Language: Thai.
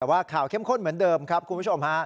แต่ว่าข่าวเข้มข้นเหมือนเดิมครับคุณผู้ชมฮะ